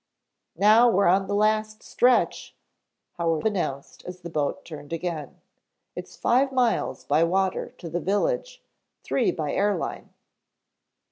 "Now we're on the last stretch," Howard announced as the boat turned again. "It's five miles by water to the village; three by airline."